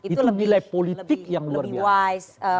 itu nilai politik yang luar biasa